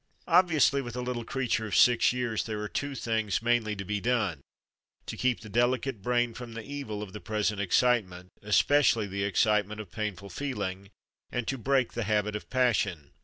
Obviously, with a little creature of six years, there are two things mainly to be done to keep the delicate brain from the evil of the present excitement, especially the excitement of painful feeling, and to break the habit of passion.